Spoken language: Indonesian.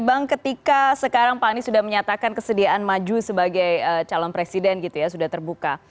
bang ketika sekarang pak anies sudah menyatakan kesediaan maju sebagai calon presiden gitu ya sudah terbuka